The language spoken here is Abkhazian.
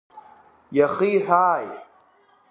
Иахиҳәааи?